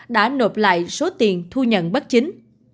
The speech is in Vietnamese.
đã nộp lại số tiền thu nhận bất chính